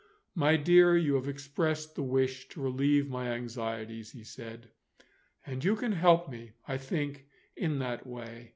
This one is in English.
"My dear, you have expressed the wish to relieve my anxieties," he said; "and you can help me, I think, in that way.